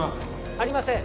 ありません